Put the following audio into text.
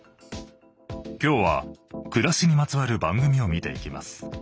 今日はくらしにまつわる番組を見ていきます。